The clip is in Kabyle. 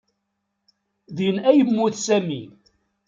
Din ay yemmut Sami.